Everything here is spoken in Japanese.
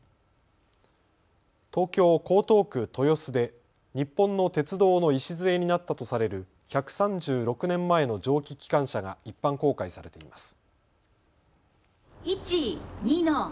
東京江東区豊洲で日本の鉄道の礎になったとされる１３６年前の蒸気機関車が一般公開されています。